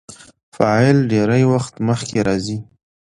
فاعل ډېرى وخت مخکي راځي.